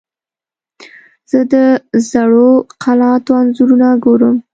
زه د زړو قلعاتو انځورونه ګورم.